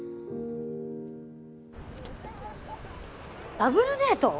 ダブルデート！？